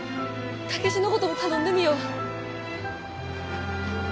タケシのごとも頼んでみよう！